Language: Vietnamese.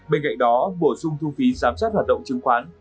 bên cạnh đó bổ sung thu phí giám sát hoạt động chứng khoán